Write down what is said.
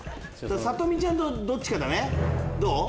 さと美ちゃんとどっちかだね。